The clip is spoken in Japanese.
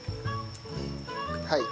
はい。